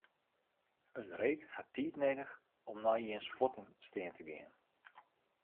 In reed hat tiid nedich om nei jins fuotten stean te gean.